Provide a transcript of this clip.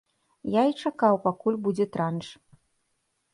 Я і чакаў, пакуль будзе транш.